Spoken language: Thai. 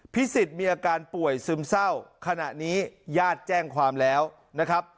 สิทธิ์มีอาการป่วยซึมเศร้าขณะนี้ญาติแจ้งความแล้วนะครับ